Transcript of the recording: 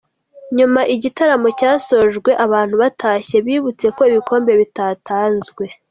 Nyuma igitaramo cyasojwe abantu batashye bibutse ko ibikombe bitatanzwe.